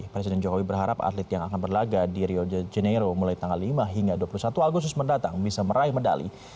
presiden jokowi berharap atlet yang akan berlaga di rio de janeiro mulai tanggal lima hingga dua puluh satu agustus mendatang bisa meraih medali